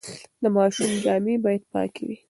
د ماشومانو جامې باید پاکې وي.